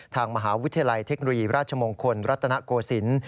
ทางมหาวิทยาลัยเทคโนโลยีราชมงคลรัตนโกศิลป์